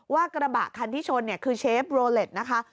กระบะคันที่ชนเนี่ยคือเชฟโรเล็ตนะคะ